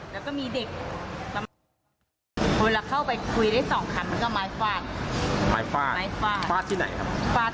แล้วก็มีเด็กสำหรับเข้าไปคุยได้สองคำก็ไม้ฟาด